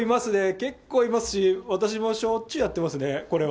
結構いますし、私もしょっちゅうやってますね、これは。